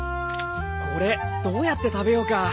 これどうやって食べようか。